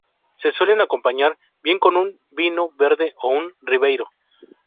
Se suele acompañar bien con un vinho verde o un ribeiro.